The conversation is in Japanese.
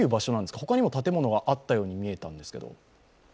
他にも建物があったように見えたんですけど？